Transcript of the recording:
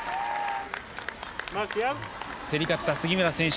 競り勝った杉村選手。